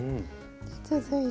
続いて。